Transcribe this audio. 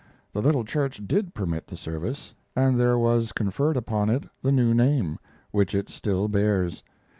The little church did permit the service, and there was conferred upon it the new name, which it still bears.